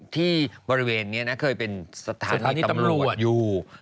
ที่บริเวณนี้เคยเป็นสถานีตำรวจสถานีตำรวจอยู่